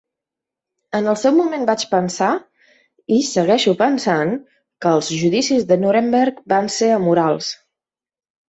En el seu moment vaig pensar, i segueixo pensant, que els judicis de Nuremberg van ser amorals.